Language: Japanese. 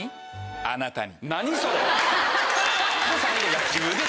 あなたに。